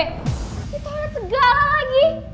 ini tanya segala lagi